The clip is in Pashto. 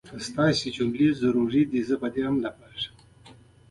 د هغه مکتب پلونه پر دې ځمکه ګرځېدلي دي.